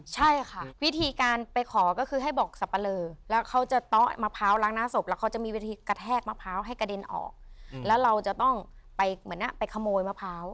จะไปเอามะพร้าวนึงมากิน